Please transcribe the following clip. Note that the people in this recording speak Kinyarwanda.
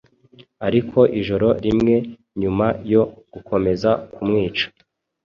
Ariko ijoro rimwe nyuma yo gukomeza kumwica